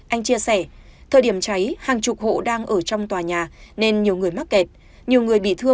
anh chia sẻ thời điểm cháy hàng chục hộ đang ở trong tòa nhà nên nhiều người mắc kẹt